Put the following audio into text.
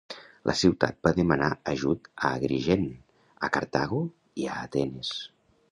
La ciutat va demanar ajut a Agrigent, a Cartago i a Atenes.